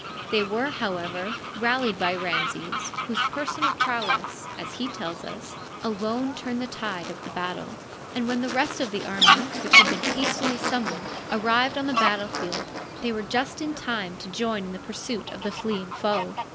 They were, however, rallied by Ramses, whose Cersonal prowess, as he tells us, alone turned the tide of attle ; and when the rest of the army, which had been hastily summoned, arrived on the battle field they were just in time to join in the pursuit of the fleeing foe.